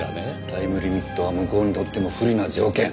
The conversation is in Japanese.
タイムリミットは向こうにとっても不利な条件。